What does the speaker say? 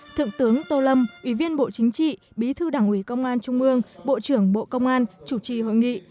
thượng tướng tô lâm ủy viên bộ chính trị bí thư đảng ủy công an trung ương bộ trưởng bộ công an chủ trì hội nghị